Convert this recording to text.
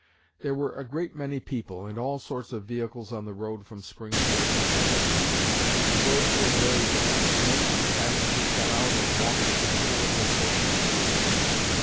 There were a great many people and all sorts of vehicles on the road from Springfield to Vandalia. The roads were very bad, and most of the passengers got out and walked a considerable portion of the distance.